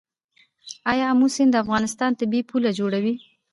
آیا امو سیند د افغانستان طبیعي پوله جوړوي؟